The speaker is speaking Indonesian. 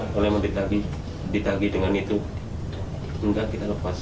kalau emang ditagi ditagi dengan itu enggak kita lepas